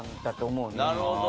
なるほど。